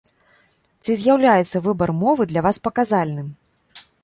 Ці з'яўляецца выбар мовы для вас паказальным?